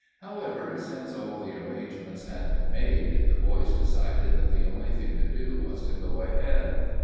However, since all the arrangements had been made, the boys decided that the only thing to do was to go ahead.